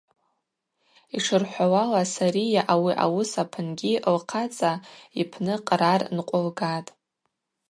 Йшырхӏвауала, Сария ари ауыс апынгьи лхъацӏа йпны кърар нкъвылгатӏ.